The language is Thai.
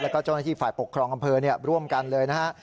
แล้วก็เจ้าหน้าที่ฝ่ายปกครองอำเภอร่วมกันเลยนะฮะ